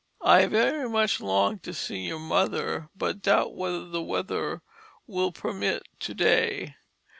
I very much long to see your Mother but doubt whether the weather will permit to day.